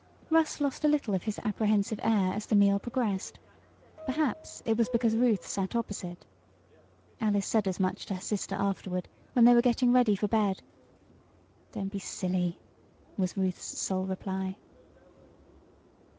Russ lost a little of his apprehensive air as the meal progressed. Perhaps it was because Ruth sat opposite. Alice said as much to her sister afterward, when they were getting ready for bed. "Don't be silly!" was Ruth's sole reply.